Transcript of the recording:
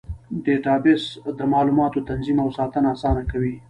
ډیټابیس د معلوماتو تنظیم او ساتنه اسانه کوي.